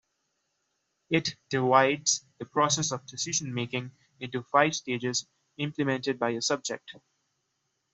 It divides the process of decision making into five stages implemented by a subject.